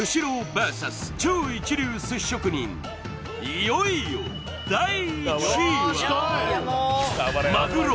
いよいよ第１位はまぐろ